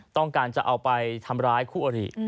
ต้องการจะเอาไปทำร้ายคู่อริ